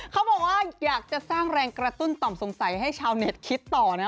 เขาบอกว่าอยากจะสร้างแรงกระตุ้นต่อมสงสัยให้ชาวเน็ตคิดต่อนะ